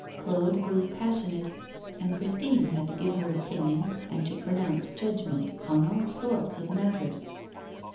Claude grew passionate, and Christine had to give her opinion and to pronounce judgment on all sorts of matters.